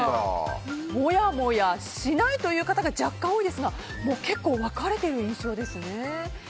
もやもやしないという方が若干多いですが結構分かれてる印象ですね。